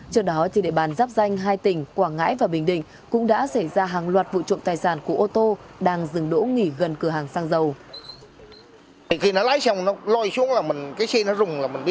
trước đó trên địa bàn giáp danh hai tỉnh quảng ngãi và bình định cũng đã xảy ra hàng loạt vụ trộm tài sản của ô tô đang dừng đỗ nghỉ gần cửa hàng xăng dầu